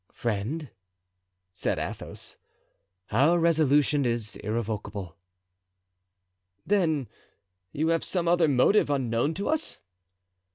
"Friend," said Athos, "our resolution is irrevocable." "Then you have some other motive unknown to us?"